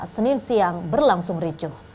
senin siang berlangsung ricuh